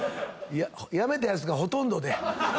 辞めたやつがほとんどで。